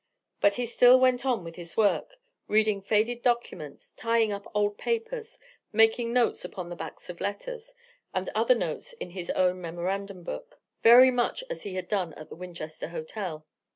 But he still went on with his work: reading faded documents, tying up old papers, making notes upon the backs of letters, and other notes in his own memorandum book: very much as he had done at the Winchester Hotel.